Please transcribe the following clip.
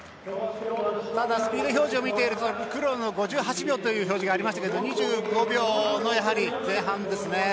スピード表示を見るとクロルの５８秒という表示がありましたけど２５秒の前半ですね。